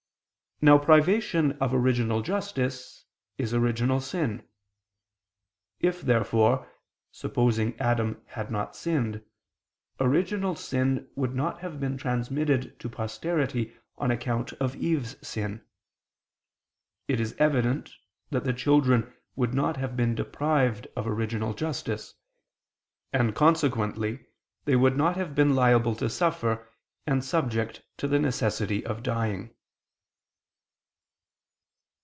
Now privation of original justice is original sin. If, therefore, supposing Adam had not sinned, original sin would not have been transmitted to posterity on account of Eve's sin; it is evident that the children would not have been deprived of original justice: and consequently they would not have been liable to suffer and subject to the necessity of dying.